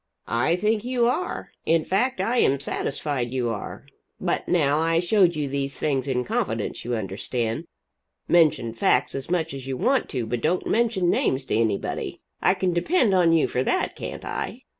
"I think you are. In fact I am satisfied you are. But now I showed you these things in confidence, you understand. Mention facts as much as you want to, but don't mention names to anybody. I can depend on you for that, can't I?"